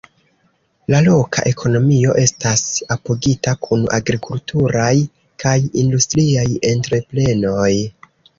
La loka ekonomio estas apogita kun agrikulturaj kaj industriaj entreprenoj.